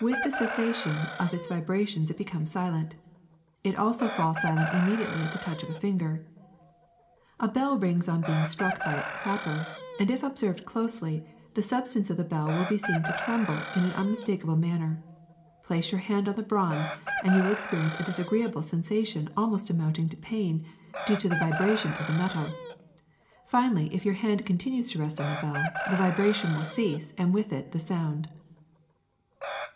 With the cessation of its vibration it becomes silent. It also falls silent immediately at the touch of a finger. A bell rings on being struck by its clapper, and if observed closely the substance of the bell will be seen to tremble in an unmistakable manner. Place your hand on the bronze and you will experience a disagreeable sensation almost amounting to pain, 365 366 THE SECRET OF EVERYDAY THINGS due to the vibration of the metal. Finally, if your hand continues to rest on the bell, the vibration will cease and with it the sound.